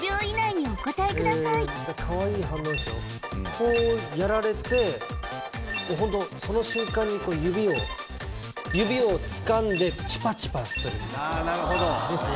こうやられてホントその瞬間に指を指をつかんでチュパチュパするですね